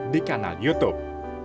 di kanal youtube